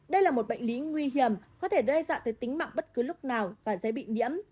đây là một bệnh lý nguy hiểm có thể đe dọa tới tính mạng bất cứ lúc nào và dễ bị nhiễm